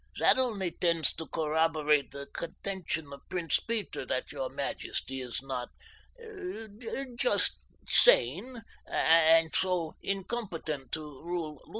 That only tends to corroborate the contention of Prince Peter that your majesty is not—er, just sane, and so, incompetent to rule Lutha.